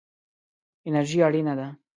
انرژي اړینه ده.